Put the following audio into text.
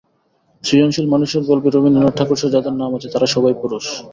সৃজনশীল মানুষের গল্পে রবীন্দ্রনাথ ঠাকুরসহ যাঁদের নাম আছে, তাঁরা সবাই পুরুষ।